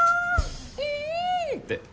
うん！って。